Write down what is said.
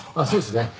そうですね。